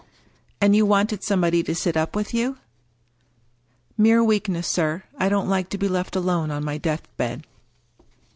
" And you wanted somebody to sit up with you ?"" Mere weakness, sir. I don't like to be left alone on my deathbed."